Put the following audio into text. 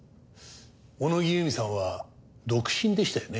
小野木由美さんは独身でしたよね？